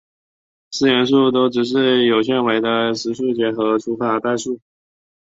四元数都只是有限维的实数结合除法代数。